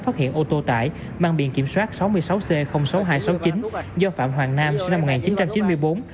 phát hiện ô tô tải mang biển kiểm soát sáu mươi sáu c sáu nghìn hai trăm sáu mươi chín do phạm hoàng nam sinh năm một nghìn chín trăm chín mươi bốn